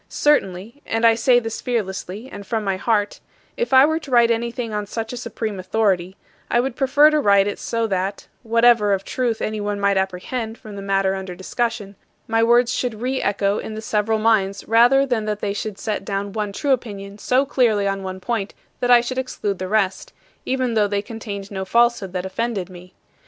Certainly and I say this fearlessly and from my heart if I were to write anything on such a supreme authority, I would prefer to write it so that, whatever of truth anyone might apprehend from the matter under discussion, my words should re echo in the several minds rather than that they should set down one true opinion so clearly on one point that I should exclude the rest, even though they contained no falsehood that offended me.